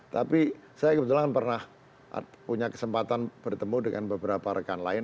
tapi saya kebetulan pernah punya kesempatan bertemu dengan beberapa rekan lain